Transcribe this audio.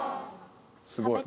すごい。